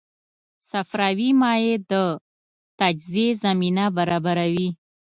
صفراوي مایع د تجزیې زمینه برابروي.